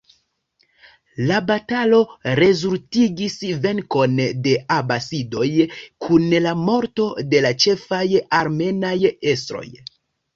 La batalo rezultigis venkon de abasidoj, kun la morto de la ĉefaj armenaj estroj.